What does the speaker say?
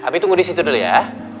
abi tunggu disitu dulu ya